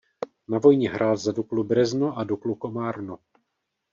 Na vojně hrál za Duklu Brezno a Duklu Komárno.